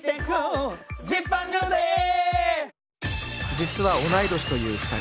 実は同い年という２人。